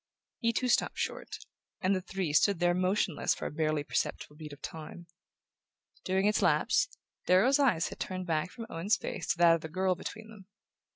He too stopped short, and the three stood there motionless for a barely perceptible beat of time. During its lapse, Darrow's eyes had turned back from Owen's face to that of the girl between them.